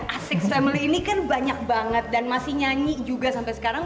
asik family ini kan banyak banget dan masih nyanyi juga sampai sekarang